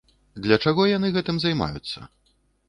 Для чаго яны гэтым займаюцца?